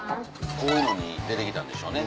こういうのに出てきたんでしょうね。